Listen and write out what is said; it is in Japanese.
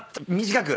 短く。